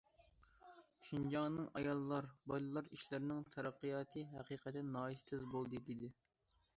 شىنجاڭنىڭ ئاياللار، بالىلار ئىشلىرىنىڭ تەرەققىياتى ھەقىقەتەن ناھايىتى تېز بولدى، دېدى.